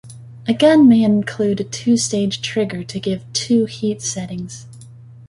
A gun may include a two-stage trigger to give two heat settings.